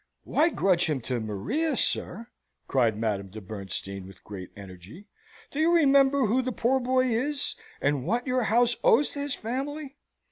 "Why grudge him to Maria, sir?" cried Madame de Bernstein, with great energy. "Do you remember who the poor boy is, and what your house owes to his family?